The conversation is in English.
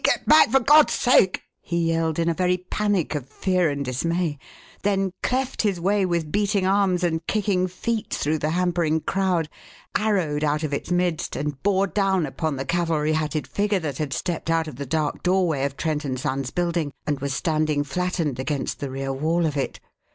Get back, for God's sake!" he yelled, in a very panic of fear and dismay; then cleft his way with beating arms and kicking feet through the hampering crowd, arrowed out of its midst, and bore down upon the cavalry hatted figure that had stepped out of the dark doorway of Trent & Son's building and was standing flattened against the rear wall of it.